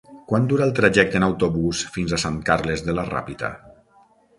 Quant dura el trajecte en autobús fins a Sant Carles de la Ràpita?